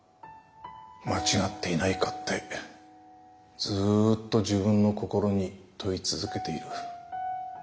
間違っていないかってずっと自分の心に問い続けている。